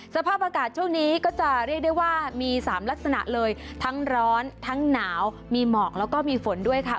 สภาพอากาศช่วงนี้ก็จะเรียกได้ว่ามี๓ลักษณะเลยทั้งร้อนทั้งหนาวมีหมอกแล้วก็มีฝนด้วยค่ะ